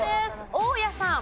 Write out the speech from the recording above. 大家さん。